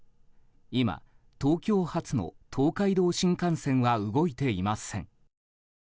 今、東京発の東海道新幹線は動いていません。